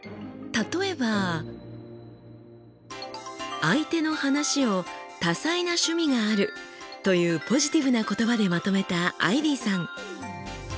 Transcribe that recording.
例えば相手の話を「たさいなしゅみがある」というポジティブな言葉でまとめたアイビーさん。